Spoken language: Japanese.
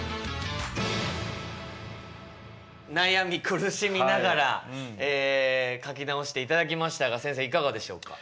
悩み苦しみながら書き直していただきましたが先生いかがでしょうか？